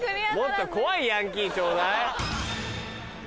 もっと怖いヤンキーちょうだい。